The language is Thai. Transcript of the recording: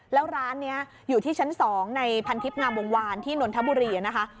แล้วร้านนี้อยู่ที่ชั้น๒ในพันทิพย์งามวงวานที่นนทบุรีนะคะ